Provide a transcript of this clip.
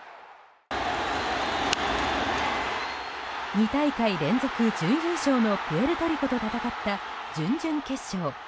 ２大会連続準優勝のプエルトリコと戦った準々決勝。